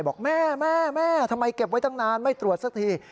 บอกแม่แม่ทำไมเก็บไว้ตั้งนานไม่ตรวจสักที